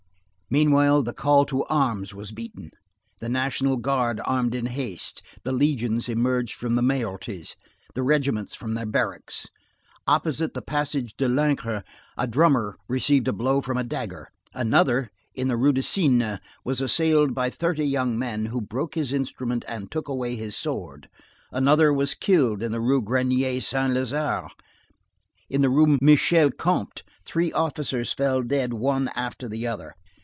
Meanwhile the call to arms was beaten, the National Guard armed in haste, the legions emerged from the Mayoralities, the regiments from their barracks. Opposite the passage de l'Ancre a drummer received a blow from a dagger. Another, in the Rue du Cygne, was assailed by thirty young men who broke his instrument, and took away his sword. Another was killed in the Rue Grenier Saint Lazare. In the Rue Michel le Comte, three officers fell dead one after the other.